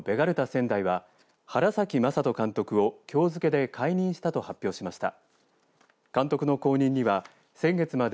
仙台は原崎政人監督をきょう付けで解任したと発表しました。